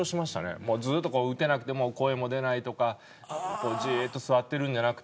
もうずっと打てなくて声も出ないとかこうじっと座ってるんじゃなくて。